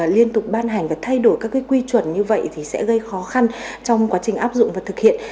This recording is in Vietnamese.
liên tục ban hành và thay đổi các quy chuẩn như vậy thì sẽ gây khó khăn trong quá trình áp dụng và thực hiện